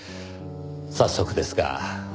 早速ですが。